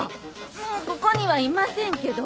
もうここにはいませんけど。